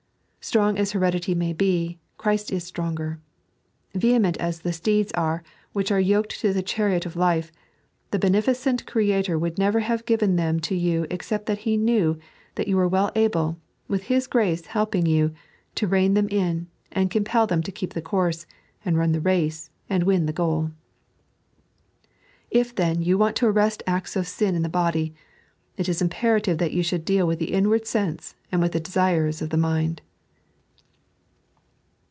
Strong as heredity may be, Christ is stronger. Vehement as the steeds are which are yoked to the chariot of life, the beneficent Creator would never have given them to you except that He knew that you were well able, with His grace helping you, to rein them in, and compel them to keep the course, and run the race, and win the goal. If then you want to arrest acta of sin in the body, it is imperative that you shotdd deal with the inward sense and with the desires of the mind.